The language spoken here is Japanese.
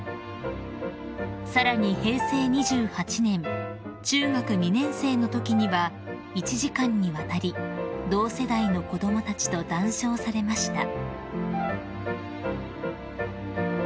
［さらに平成２８年中学２年生のときには１時間にわたり同世代の子供たちと談笑されました］